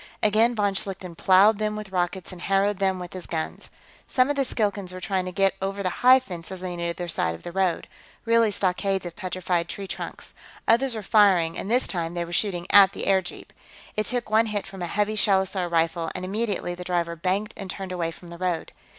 Again, von Schlichten plowed them with rockets and harrowed them with his guns. Some of the Skilkans were trying to get over the high fences on either side of the road really stockades of petrified tree trunks. Others were firing, and this time they were shooting at the airjeep. It took one hit from a heavy shellosaur rifle, and, immediately, the driver banked and turned away from the road.